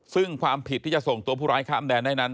ซึ่งความผิดที่จะส่งตัวผู้ร้ายข้ามแดนได้นั้น